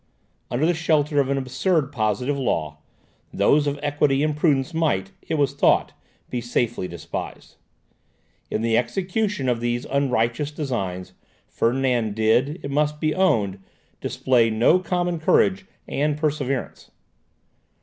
Under the shelter of an absurd positive law, those of equity and prudence might, it was thought, be safely despised. In the execution of these unrighteous designs, Ferdinand did, it must be owned, display no common courage and perseverance.